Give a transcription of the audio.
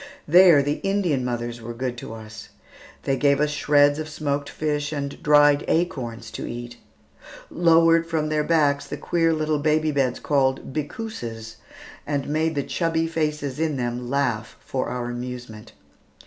There the Indian mothers were good to us. They gave us shreds of smoked fish and dried acorns to eat; lowered from their backs the queer little baby beds, called "bickooses," and made the chubby faces in them laugh for our amusement.